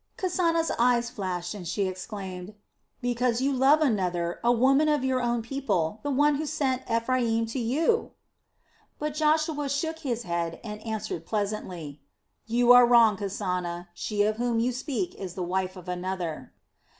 Kasana's eyes flashed, and she exclaimed: "Because you love another, a woman of your own people, the one who sent Ephraim to you!" But Joshua shook his head and answered pleasantly: "You are wrong, Kasana! She of whom you speak is the wife of another."